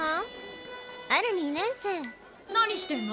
何してんの？